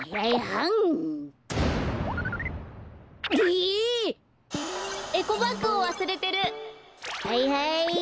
はいはい！